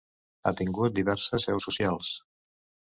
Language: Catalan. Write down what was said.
Ha tingut diverses seus socials.